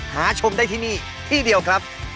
หาชมได้ที่นี่ที่เดียวครับ